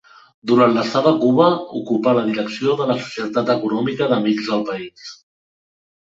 Durant l'estada a Cuba ocupà la direcció de la Societat Econòmica d'Amics del País.